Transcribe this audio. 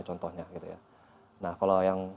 contohnya gitu ya nah kalau yang